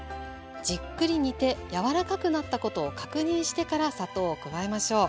じっくり煮て柔らかくなったことを確認してから砂糖を加えましょう。